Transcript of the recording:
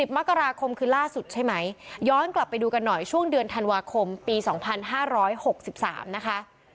มกราคมคือล่าสุดใช่ไหมย้อนกลับไปดูกันหน่อยช่วงเดือนธันวาคมปี๒๕๖๓นะคะ